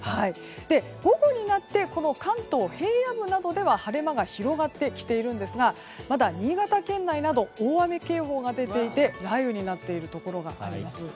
午後になって関東平野部などでは晴れ間が広がってきているんですがまだ新潟県内など大雨警報が出ていて雷雨になっているところがあります。